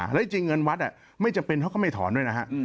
แล้วจริงเงินวัดไม่จำเป็นเขาก็ไม่ถอนด้วยนะฮะ